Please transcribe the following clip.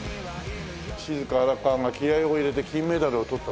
シズカ・アラカワが気合を入れて金メダルを取った。